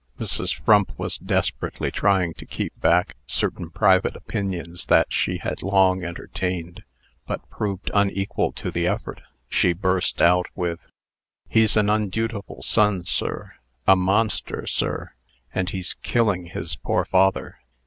Mrs. Frump was desperately trying to keep back certain private opinions that she had long entertained, but proved unequal to the effort. She burst out with: "He's an undutiful son, sir. A monster, sir. And he's killing his poor father.